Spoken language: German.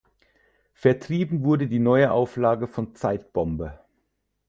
Vertrieben wurde die neue Auflage von Zeitbombe.